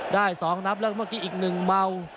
ได้๒นับแล้วเมื่อกี้อีกหนึ่งเมา